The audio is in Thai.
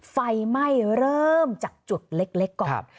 ไฟไหม้เริ่มจากจุดเล็กก่อน